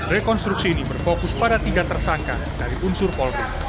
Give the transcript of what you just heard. rekonstruksi ini berfokus pada tiga tersangka dari unsur polri